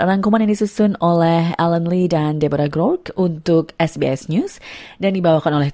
kami menangis seperti orang lain tapi kami menangis seperti orang lain